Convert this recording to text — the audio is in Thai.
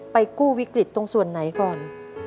กู้วิกฤตตรงส่วนไหนก่อน